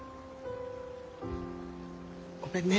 ごめんね。